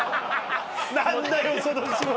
何だよその仕事！